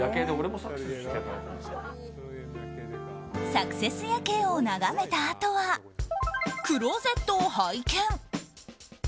サクセス夜景を眺めたあとはクローゼットを拝見。